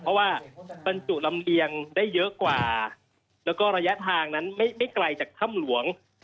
เพราะว่าบรรจุลำเลียงได้เยอะกว่าแล้วก็ระยะทางนั้นไม่ไกลจากถ้ำหลวง